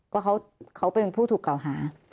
ว่าเขาเป็นผู้ถูกกล่าวหา